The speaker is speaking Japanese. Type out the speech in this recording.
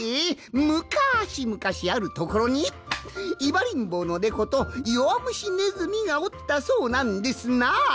むかしむかしあるところにいばりんぼうのネコとよわむしネズミがおったそうなんですな。